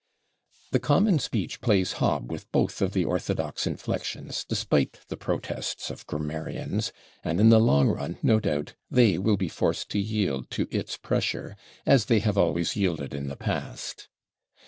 The common speech plays hob with both of the orthodox inflections, despite the protests of grammarians, and in the long run, no doubt, they will be forced to yield to its pressure, as they have always yielded in the past.